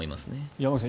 山口さん